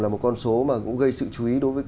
một con số mà cũng gây sự chú ý